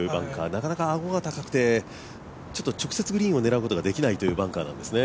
なかなかアゴが高くて直接グリーンを狙うことができないバンカーなんですね。